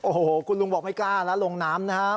โอ้โหคุณลุงบอกไม่กล้าแล้วลงน้ำนะครับ